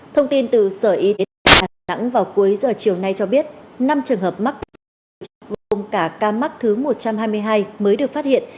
thông tin từ sở y tế đà nẵng vào cuối giờ chiều nay cho biết năm trường hợp mắc gồm cả ca mắc thứ một trăm hai mươi hai mới được phát hiện